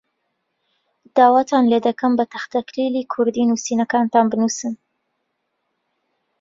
داواتان لێ دەکەم بە تەختەکلیلی کوردی نووسینەکانتان بنووسن.